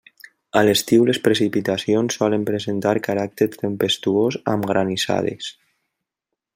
A l'estiu les precipitacions solen presentar caràcter tempestuós amb granissades.